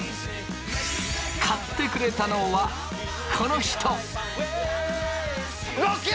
買ってくれたのはこの人！